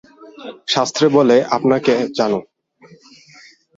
শাস্ত্রে বলে, আপনাকে জানো।